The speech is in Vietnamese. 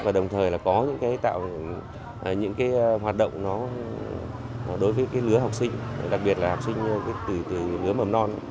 và đồng thời là có những cái hoạt động đối với cái lứa học sinh đặc biệt là học sinh từ lứa mầm non